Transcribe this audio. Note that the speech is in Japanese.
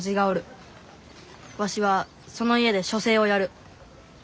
わしはその家で書生をやる。